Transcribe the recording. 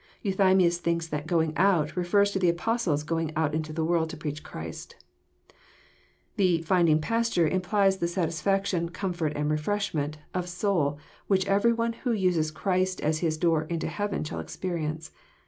Euthymius thinks that << going out" refers to the Apostles going out into the world to preach the Gospel. The *' finding pasture " implies the satisfaction, comfort, and refreshment of soul which every one who uses Christ as his Door into heaven shall experience.